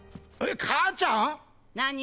母ちゃん⁉何？